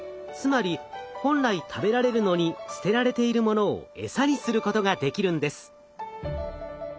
つまり本来食べられるのに捨てられているものをエサにすることができるんです。